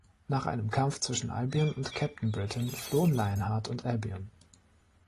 Nach einem Kampf zwischen Albion und Captain Britain flohen Lionheart und Albion.